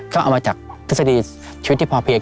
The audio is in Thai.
ก็เอามาจากทฤษฎีชีวิตที่พอเพียง